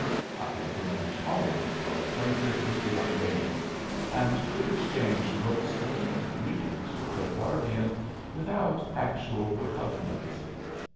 I had grown tolerably well acquainted with the young ladies and could exchange looks and even greetings with their guardian without actual repugnance.